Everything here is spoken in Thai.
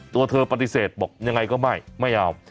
ตัวเธอปฏิเสธบอกยังไงก็ไม่ไม่เอา